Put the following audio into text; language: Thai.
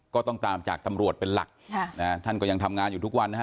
ก็ต้องตามจากตำรวจเป็นหลักค่ะนะฮะท่านก็ยังทำงานอยู่ทุกวันนะฮะ